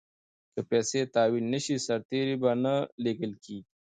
که پیسې تحویل نه شي سرتیري به نه لیږل کیږي.